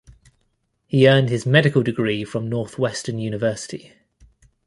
He earned his medical degree from Northwestern University.